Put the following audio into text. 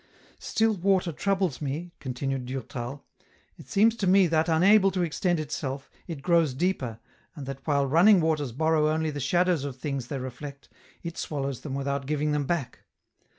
" Still water troubles me," continued Durtal. " It seems to me that unable to extend itself, it grows deeper, and that while running waters borrow only the shadows of things they reflect, it swallows them without giving them back.